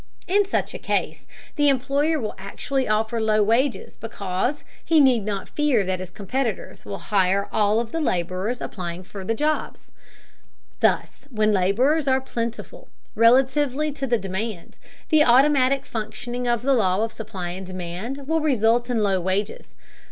In such a case, the employer will actually offer low wages because he need not fear that his competitors will hire all of the laborers applying for jobs. Thus when laborers are plentiful, relatively to the demand, the automatic functioning of the law of supply and demand will result in low wages.